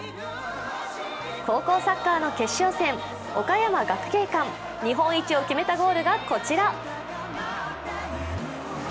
高校サッカーの決勝戦、岡山学芸館、日本一を決めたゴールがこちら。